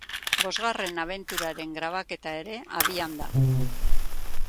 Bosgarren abenturaren grabaketa ere abian da.